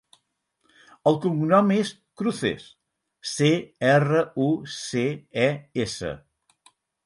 El cognom és Cruces: ce, erra, u, ce, e, essa.